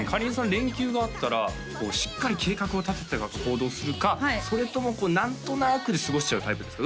連休があったらしっかり計画を立ててから行動するかそれとも何となくで過ごしちゃうタイプですか？